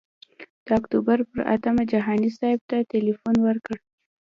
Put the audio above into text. د اکتوبر پر اتمه جهاني صاحب ته تیلفون وکړ.